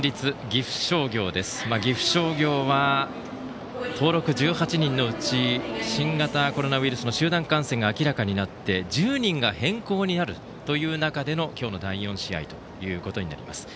岐阜商業は、登録１８人のうち新型コロナウイルスの集団感染が明らかになって１０人が変更になるという中での今日の第４試合となります。